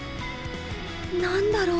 何だろう